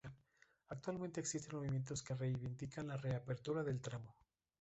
Actualmente existen movimientos que reivindican la reapertura del tramo.